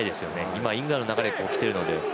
今、イングランドの流れで来ているので。